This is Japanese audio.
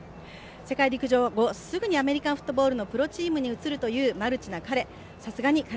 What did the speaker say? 世界陸上後、すぐにアメリカンフットボールのプロチームに移るというマルチな彼。